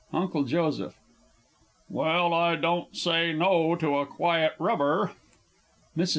UNCLE JOSEPH. Well, I won't say "no" to a quiet rubber. MRS.